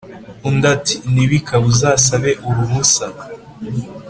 undi ati"ntibikabe uzasabe uruhusa